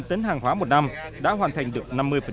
một tấn hàng hóa một năm đã hoàn thành được năm mươi